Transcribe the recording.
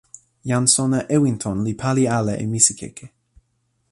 jan sona Ewinton li pali ala e misikeke.